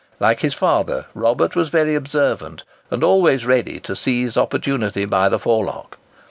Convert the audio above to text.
Like his father, Robert was very observant, and always ready to seize opportunity by the forelock.